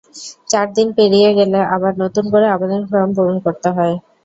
চার দিন পেরিয়ে গেলে আবার নতুন করে আবেদন ফরম পূরণ করতে হয়।